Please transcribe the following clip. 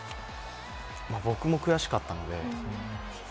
僕も悔しかったので。